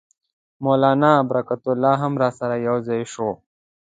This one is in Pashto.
مولنا برکت الله هم راسره یو ځای شو.